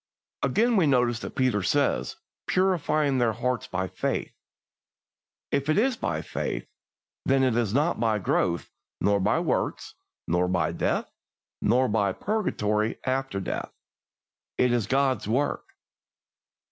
Again, we notice that Peter says, "purifying their hearts by faith." If it is by faith, then it is not by growth, nor by works, nor by death, nor by purgatory after death. It is God's work.